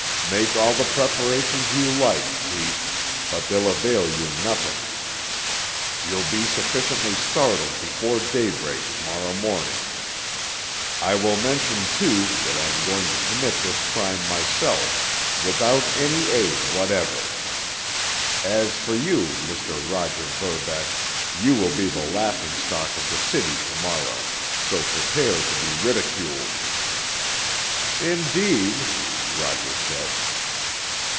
Make all the preparations you like, chief, but they'll avail you nothing. You'll be sufficiently startled before daybreak to morrow morning. I will mention, too, that I am going to commit this crime myself, without any aid whatever. As for you, Mr. Roger Verbeck, you will be the laughingstock of the city to morrow, so prepare to be ridiculed." "Indeed?" Roger said.